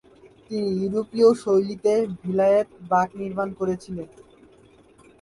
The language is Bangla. তিনি ইউরোপীয় শৈলীতে ভিলায়েত বাগ নির্মাণ করেছিলেন।